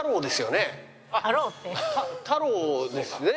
太郎ですね？